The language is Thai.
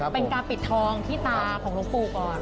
เป็นการปิดทองที่ตาของหลวงปู่ก่อน